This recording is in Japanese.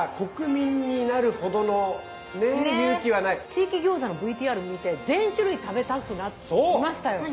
地域餃子のＶＴＲ見て全種類食べたくなりましたよ。